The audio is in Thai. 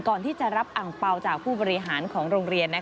ก่อนที่จะรับอังเปล่าจากผู้บริหารของโรงเรียน